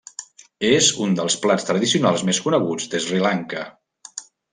És un dels plats tradicionals més coneguts de Sri Lanka.